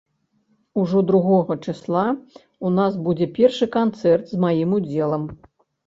Ужо другога чысла ў нас будзе першы канцэрт з маім удзелам.